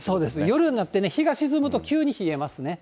夜になって、日が沈むと急に冷えますね。